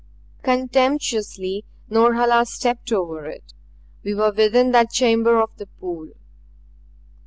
Contemptuously Norhala stepped over it. We were within that chamber of the pool.